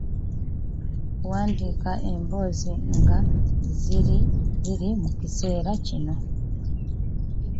Wandiika emboozi nga ziri mu kiseera ekiriwo.